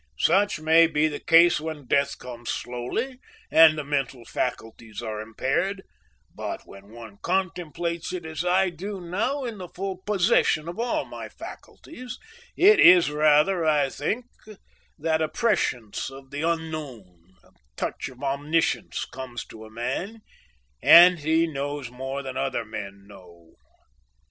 Such may be the case when death comes slowly and the mental faculties are impaired, but when one contemplates it, as I do now, in the full possession of all my faculties, it is rather, I think, that a prescience of the unknown, a touch of omniscience comes to a man and he knows more than other men know.